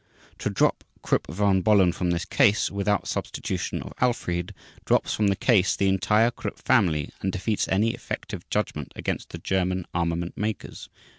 To drop Krupp von Bohlen from this case without substitution of Alfried, drops from the case the entire Krupp family, and defeats any effective judgment against the German armament makers.